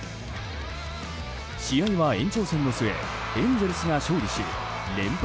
試合は延長戦の末エンゼルスが勝利し連敗